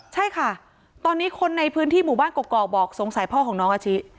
ใช่ค่ะตอนนี้คนในพื้นที่หมู่บ้านกรอกบอกสงสัยพ่อของน้องอาชิ